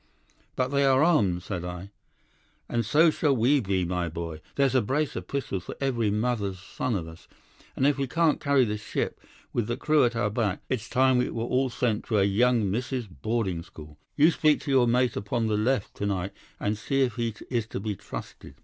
"'"But they are armed," said I. "'"And so shall we be, my boy. There's a brace of pistols for every mother's son of us, and if we can't carry this ship, with the crew at our back, it's time we were all sent to a young misses' boarding school. You speak to your mate upon the left to night, and see if he is to be trusted."